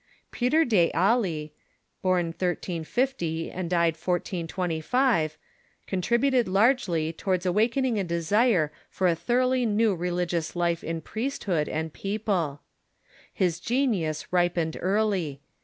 Peter d'Ailly, born 1350 and died 1425, contributed largely towards awak ening a desire for a thoroughly new religious life in priesthood and people. His genius ripened early.